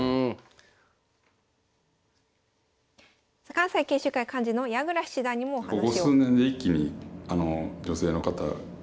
関西研修会幹事の矢倉七段にもお話を。